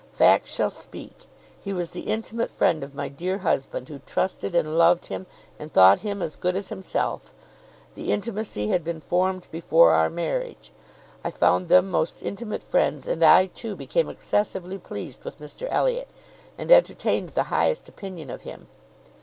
Facts shall speak. He was the intimate friend of my dear husband, who trusted and loved him, and thought him as good as himself. The intimacy had been formed before our marriage. I found them most intimate friends; and I, too, became excessively pleased with Mr Elliot, and entertained the highest opinion of him.